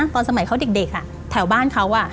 ตอนสมัยเขาเด็กแถวบ้านเขา